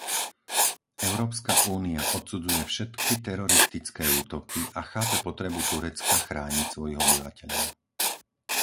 Európska únia odsudzuje všetky teroristické útoky a chápe potrebu Turecka chrániť svojich obyvateľov.